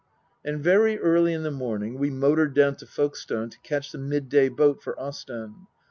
And very early in the morning we motored down to Folkestone to catch the midday boat for Ostend.